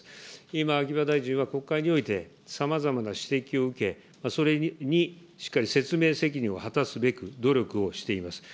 今、秋葉大臣は国会においてさまざまな指摘を受け、それにしっかり説明責任を果たすべく努力をしています。